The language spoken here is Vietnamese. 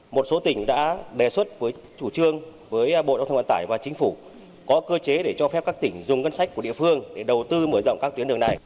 một số tỉnh đã đề xuất với chủ trương với bộ giao thông vận tải và chính phủ có cơ chế để cho phép các tỉnh dùng ngân sách của địa phương để đầu tư mở rộng các tuyến đường này